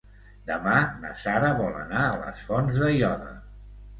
Demà na Sara vol anar a les Fonts d'Aiòder.